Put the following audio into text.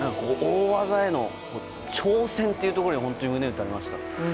大技への挑戦というところに本当に胸を打たれました。